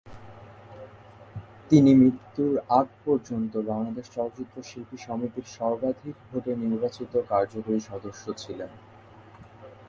তিনি মৃত্যুর আগ পর্যন্ত বাংলাদেশ চলচ্চিত্র শিল্পী সমিতির সর্বাধিক ভোটে নির্বাচিত কার্যকারী সদস্য ছিলেন।